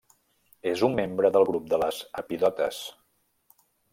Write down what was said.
És un membre del grup de les epidotes.